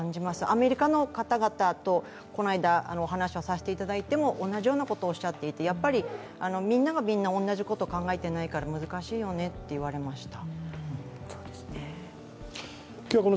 アメリカの方々とこの間、話をさせていただいても同じようなことをおっしゃっていてやはりみんながみんな同じことを考えてないから難しいのねと言われました。